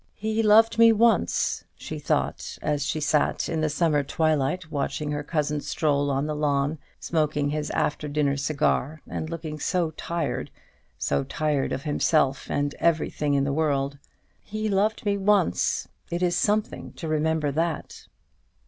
"He loved me once," she thought, as she sat in the summer twilight, watching her cousin strolling on the lawn, smoking his after dinner cigar, and looking so tired so tired of himself and everything in the world. "He loved me once; it is something to remember that."